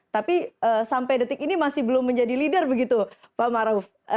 tapi sampai detik ini masih belum menjadi leader begitu pak maruf